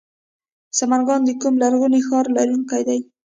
سمنګان د کوم لرغوني ښار لرونکی دی؟